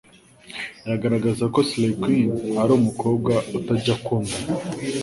igaragaza ko Slay Queen ari umukobwa utajya akundana